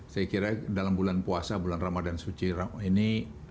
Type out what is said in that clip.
saya kira dalam bulan puasa bulan ramadhan suci ini